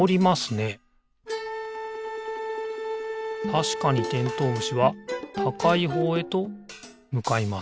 たしかにてんとうむしはたかいほうへとむかいます。